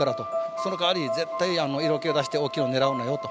そのかわり絶対色気を出して大きいのを狙うなよと。